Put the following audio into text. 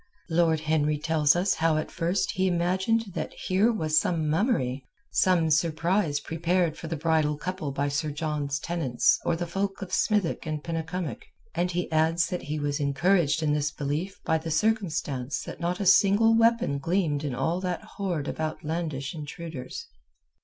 Lord Henry tells us how at first he imagined that here was some mummery, some surprise prepared for the bridal couple by Sir John's tenants or the folk of Smithick and Penycumwick, and he adds that he was encouraged in this belief by the circumstance that not a single weapon gleamed in all that horde of outlandish intruders.